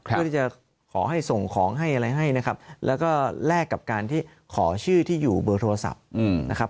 เพื่อที่จะขอให้ส่งของให้อะไรให้นะครับแล้วก็แลกกับการที่ขอชื่อที่อยู่เบอร์โทรศัพท์นะครับ